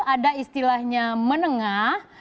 ada istilahnya menengah